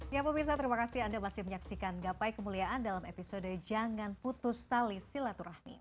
ya pemirsa terima kasih anda masih menyaksikan gapai kemuliaan dalam episode jangan putus tali silaturahmi